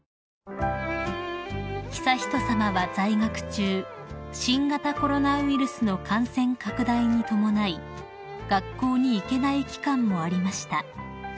［悠仁さまは在学中新型コロナウイルスの感染拡大に伴い学校に行けない期間もありました］